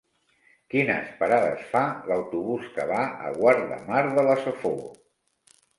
Quines parades fa l'autobús que va a Guardamar de la Safor?